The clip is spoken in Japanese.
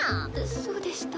そうでした。